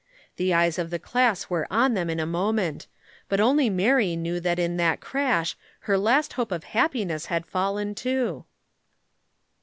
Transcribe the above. The eyes of the class were on them in a moment, but only Mary knew that in that crash her last hope of happiness had fallen, too.